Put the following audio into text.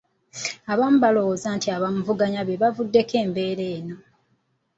Abamu balowooza nti abamuvuganya be bavuddeko embeera eno